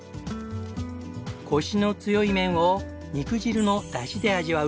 コシの強い麺を肉汁のダシで味わう